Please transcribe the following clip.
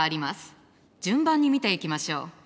順番に見ていきましょう。